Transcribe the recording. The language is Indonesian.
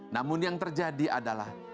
namun yang terjadi adalah